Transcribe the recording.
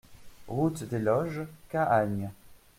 Route des Loges, Cahagnes